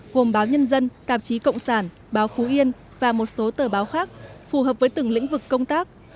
gồm báo nhân dân tạp chí cộng sản báo phú yên và một số tờ báo khác phù hợp với từng lĩnh vực công tác